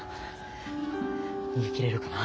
逃げ切れるかな。